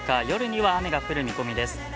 夜には雨が降る見込みです。